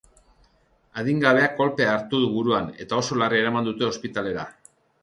Adingabeak kolpea hartu du buruan eta oso larri eraman dute ospitalera.